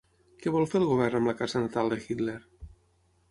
Què vol fer el govern amb la casa natal de Hitler?